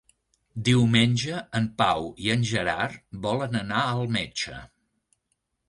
Diumenge en Pau i en Gerard volen anar al metge.